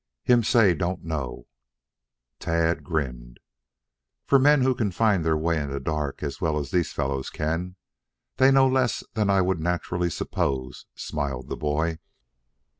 "Him say don't know." Tad grinned. "For men who can find their way in the dark as well as these fellows can, they know less than I would naturally suppose," smiled the boy.